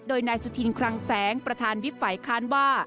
โดยนายสุธินคลังแสงประธานวิบฝ่ายค้านว่า